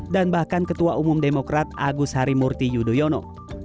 dan bahkan ketua umum demokrat agus harimurti yudhoyono